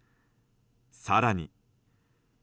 更に。